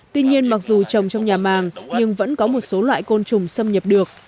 tuy nhiên mặc dù trồng trong nhà màng nhưng vẫn có một số loại côn trùng xâm nhập được